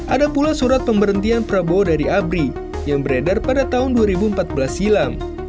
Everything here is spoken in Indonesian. ada pula surat pemberhentian prabowo dari abri yang beredar pada tahun dua ribu empat belas silam